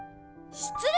しつれいね！